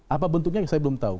apa bentuknya yang saya belum tahu